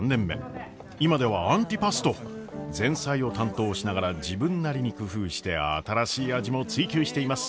今ではアンティパスト前菜を担当しながら自分なりに工夫して新しい味も追求しています。